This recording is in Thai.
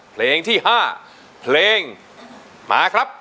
เพลงที่๕เพลงมาครับ